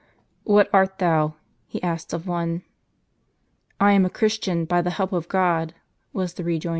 " What art thou ?" he asked of one. " I am a Christian, by the help of God," was the rejoinder.